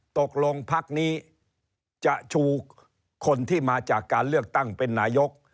ตกลงพักนี้จะชูคนที่มาจากการเลือกตั้งเป็นนายก